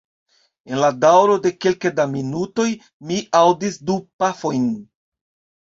En la daŭro de kelke da minutoj mi aŭdis du pafojn.